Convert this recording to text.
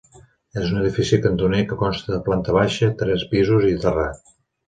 És un edifici cantoner que consta de planta baixa, tres pisos i terrat.